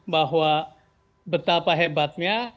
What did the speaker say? bahwa betapa hebatnya